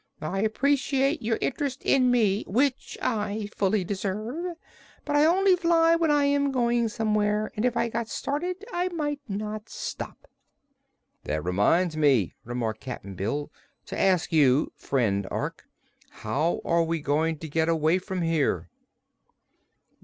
"I appreciate your interest in me, which I fully deserve; but I only fly when I am going somewhere, and if I got started I might not stop." "That reminds me," remarked Cap'n Bill, "to ask you, friend Ork, how we are going to get away from here?"